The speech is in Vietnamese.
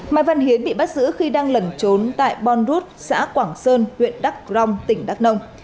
mai văn hiến bị bắt giữ khi đang lẩn trốn tại bonruth xã quảng sơn huyện đắk rồng tỉnh đắk nông